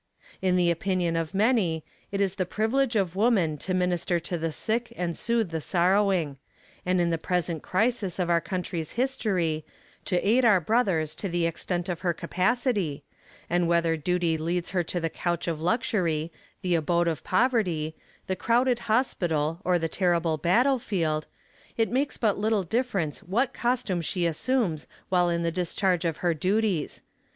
In the opinion of many, it is the privilege of woman to minister to the sick and soothe the sorrowing and in the present crisis of our country's history, to aid our brothers to the extent of her capacity and whether duty leads her to the couch of luxury, the abode of poverty, the crowded hospital, or the terrible battle field it makes but little difference what costume she assumes while in the discharge of her duties.